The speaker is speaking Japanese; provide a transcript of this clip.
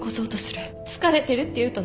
疲れてるって言うと泣きだす。